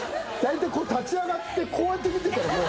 臑立ち上がってこうやって見てたらもう。